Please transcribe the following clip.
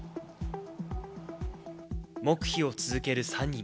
黙秘を続ける３人。